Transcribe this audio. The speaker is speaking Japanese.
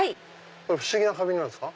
不思議な花瓶なんですか？